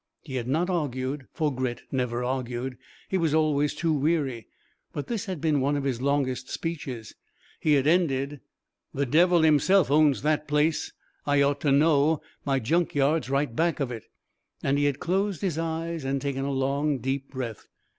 He had not argued, for Grit never argued; he was always too weary. But this had been one of his longest speeches. He had ended: "The Devil himself owns that place. I ought to know, my junkyard's right back of it." And he had closed his eyes and taken a long, deep breath.